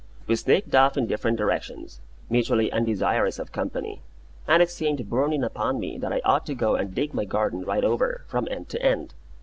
We sneaked off in different directions, mutually undesirous of company; and it seemed borne in upon me that I ought to go and dig my garden right over, from end to end.